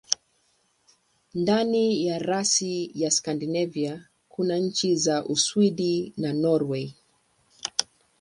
Ndani ya rasi ya Skandinavia kuna nchi za Uswidi na Norwei.